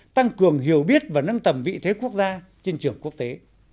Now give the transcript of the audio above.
tăng cường hiểu biết và nâng tầm vị thế quốc gia trên trường quốc tế